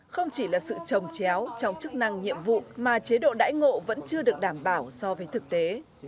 không chỉ là sự trồng chéo trong chức năng nhiệm vụ mà chế độ đãi ngộ vẫn chưa được đảm bảo so với thực tế